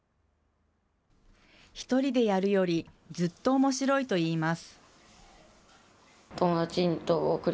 １人でやるよりずっとおもしろいといいます。